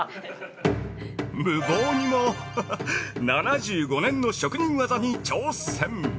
◆無謀にも、ハハッ、７５年の職人技に挑戦！